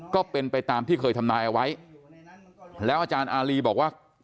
ก็เป็นไปตามที่เคยทำนายเอาไว้แล้วอาจารย์อารีบอกว่า